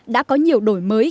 đã có nhiều đổi mới